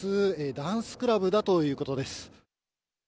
ダンスクラブだということです。